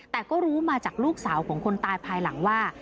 แต่ก็รู้มาจากลูกสาวของคนตายภายหลังว่า